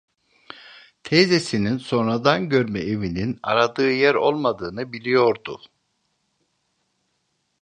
Teyzesinin sonradan görme evinin aradığı yer olmadığını biliyordu.